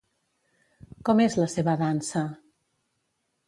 Com és la seva dansa?